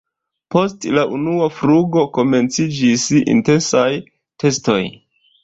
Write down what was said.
Post la unua flugo komenciĝis intensaj testoj.